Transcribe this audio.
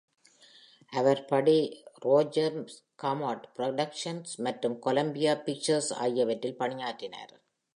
அவர் Buddy Rogers Comet Productions மற்றும் Columbia Pictures ஆகியவற்றில் பணியாற்றினார்.